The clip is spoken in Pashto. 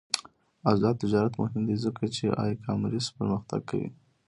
آزاد تجارت مهم دی ځکه چې ای کامرس پرمختګ کوي.